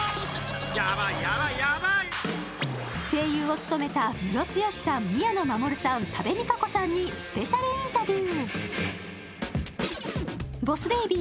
声優を務めたムロツヨシさん、宮野真守さん、多部未華子さんにスペシャルインタビュー。